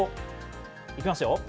いきますよ。